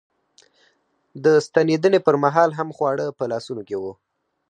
د ستنېدنې پر مهال هم خواړه په لاسونو کې و.